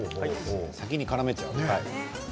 先にからめちゃう。